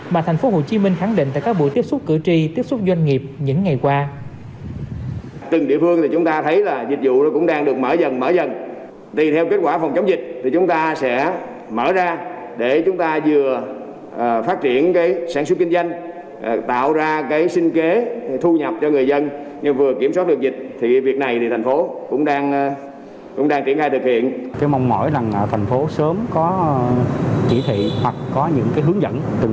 mà thành phố hồ chí minh khẳng định tại các buổi tiếp xúc cử tri tiếp xúc doanh nghiệp những ngày qua